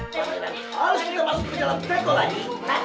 panggilan harus kita balas ke dalam teko lagi